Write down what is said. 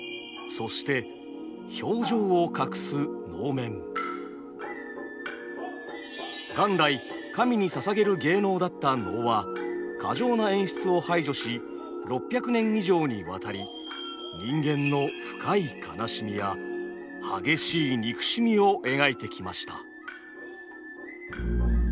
そして元来神に捧げる芸能だった能は過剰な演出を排除し６００年以上にわたり人間の深い悲しみや激しい憎しみを描いてきました。